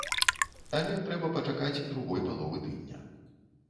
Але трэба пачакаць другой паловы тыдня.